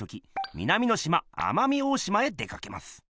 南のしま奄美大島へ出かけます。